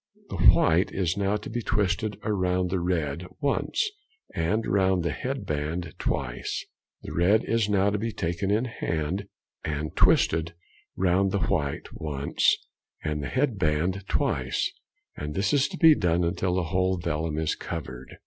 The white is now to be twisted round the red once, and round the head band twice; the red is now to be taken in hand and twisted round the white once, and the head band twice; and this is to be done until the whole vellum is covered.